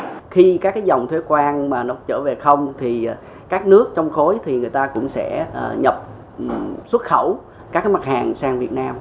nếu các mặt hàng chở về không thì các nước trong khối thì người ta cũng sẽ nhập xuất khẩu các mặt hàng sang việt nam